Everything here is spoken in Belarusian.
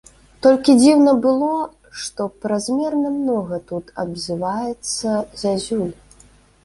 Толькі дзіўна было, што празмерна многа тут абзываецца зязюль.